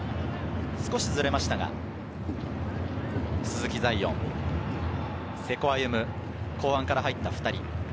少しずれましたが、鈴木彩艶、瀬古歩夢、後半から入った２人。